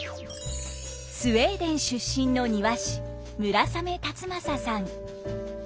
スウェーデン出身の庭師村雨辰剛さん。